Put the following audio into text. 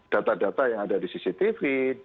data data yang ada di cctv